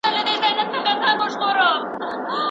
د پاچا لور وم پر طالب مینه سومه